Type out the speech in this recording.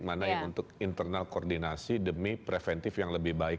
mana yang untuk internal koordinasi demi preventif yang lebih baik